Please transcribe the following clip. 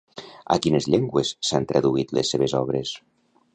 A quines llengües s'han traduït les seves obres?